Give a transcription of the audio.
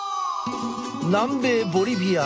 南米ボリビア。